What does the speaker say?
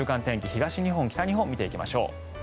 東日本、北日本を見ていきましょう。